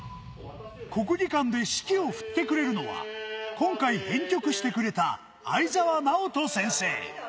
国技館で指揮を振ってくれるのは今回、編曲してくれた相澤直人先生。